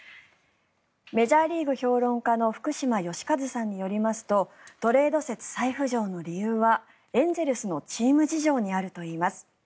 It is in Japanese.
メジャーリーグ評論家の福島良一さんによりますとトレード説再浮上の理由はエンゼルスのチーム事情にあるといいます。